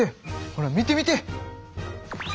ほら見て見て。